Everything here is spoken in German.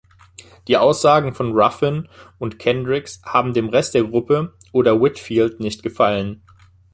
Die Aussagen von Ruffin und Kendricks haben dem Rest der Gruppe oder Whitfield nicht gefallen.